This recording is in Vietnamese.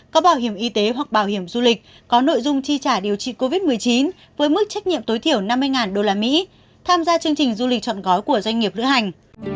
có bảo hiểm y tế hoặc bảo hiểm du lịch có nội dung chi trả điều trị covid một mươi chín với mức trách nhiệm tối thiểu năm mươi usd tham gia chương trình du lịch chọn gói của doanh nghiệp lữ hành